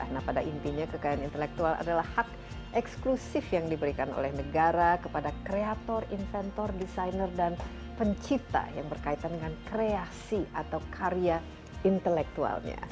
nah pada intinya kekayaan intelektual adalah hak eksklusif yang diberikan oleh negara kepada kreator inventor desainer dan pencipta yang berkaitan dengan kreasi atau karya intelektualnya